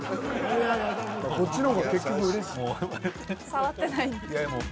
触ってないんで。